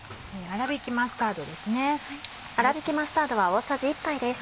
あらびきマスタードは大さじ１杯です。